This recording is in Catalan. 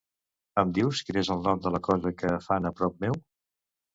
Em dius quin és el nom de la cosa que fan a prop meu?